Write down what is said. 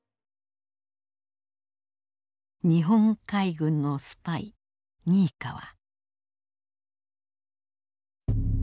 日本海軍のスパイニイカワ。